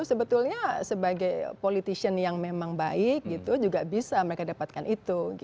sebetulnya sebagai politician yang memang baik juga bisa mereka dapatkan itu